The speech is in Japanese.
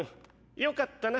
良かったな！